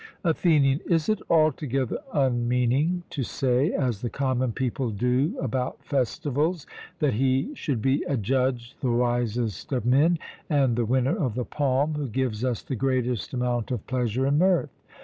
ATHENIAN: Is it altogether unmeaning to say, as the common people do about festivals, that he should be adjudged the wisest of men, and the winner of the palm, who gives us the greatest amount of pleasure and mirth?